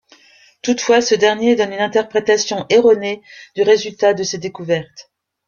Toutefois, ce dernier donne une interprétation erronée du résultat de ses découvertes.